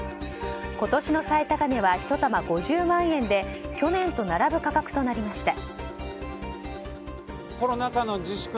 今年の最高値は１玉５０万円で去年と並ぶ価格となりました。